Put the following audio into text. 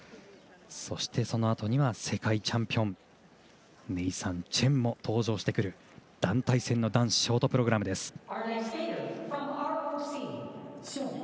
そして、そのあとには世界チャンピオンのネイサン・チェンも登場してくる団体戦の男子ショートプログラムです。